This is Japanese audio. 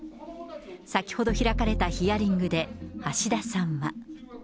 先ほど開かれたヒアリングで橋田さんは。